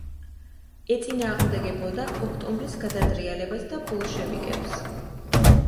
ეწინააღმდეგებოდა ოქტომბრის გადატრიალებას და ბოლშევიკებს.